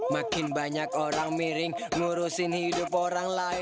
makin banyak orang miring ngurusin hidup orang lain